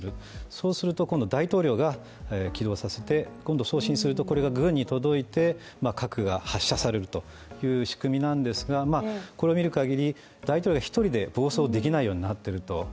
そうすると、今度は大統領が起動させて今度、送信をするとこれが軍に届いて核が発射されるという仕組みなんですが、これを見るかぎり、大統領が一人で暴走できないようになっていると。